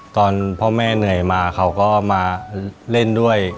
ตอนพ่อแม่เหนื่อยมาเขาก็มาเล่นด้วย